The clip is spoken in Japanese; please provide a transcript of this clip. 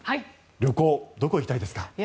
旅行、どこ行きたいですか。